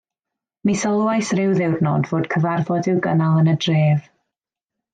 Mi sylwais ryw ddiwrnod fod cyfarfod i'w gynnal yn y dref.